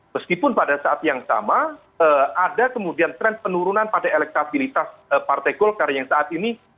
meskipun pada saat yang sama ada kemudian tren penurunan pada elektabilitas partai golkar yang saat ini